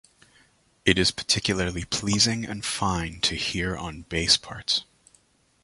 It is particularly pleasing and fine to hear on bass parts.